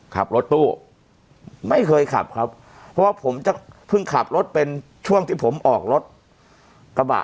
ขับรถตู้ไม่เคยขับครับเพราะว่าผมจะเพิ่งขับรถเป็นช่วงที่ผมออกรถกระบะ